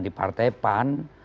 di partai pan